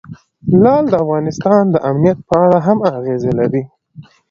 لعل د افغانستان د امنیت په اړه هم اغېز لري.